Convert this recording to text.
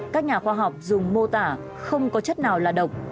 các nhà khoa học dùng mô tả không có chất nào là độc